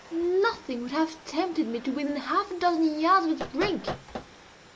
Nothing would have tempted me to within half a dozen yards of its brink.